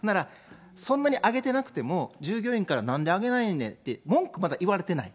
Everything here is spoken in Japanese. そんなに上げてなくても、従業員からなんで上げないねんって、文句、まだ言われてない。